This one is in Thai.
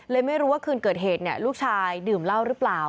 ไม่รู้ว่าคืนเกิดเหตุลูกชายดื่มเหล้าหรือเปล่า